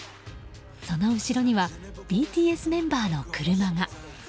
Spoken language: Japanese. その後ろにはＢＴＳメンバーの車が。